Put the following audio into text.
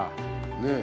ねえ。